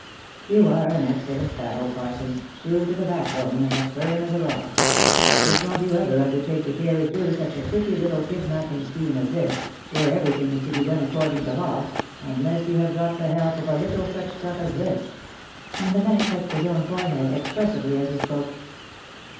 " You are an excellent fellow, Parsons — true to the backbone, and as firm as a rock — but don't you ever undertake to carry through such a pretty little kidnapping scheme as this, where every thing is to be done according to law, unless you have got the help of a little such stuff as this," and the knight touched his own forehead expressively as he spoke.